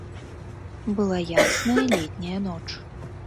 Была ясная летняя ноч.